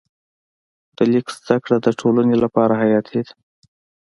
د لیک زده کړه د ټولنې لپاره حیاتي وه.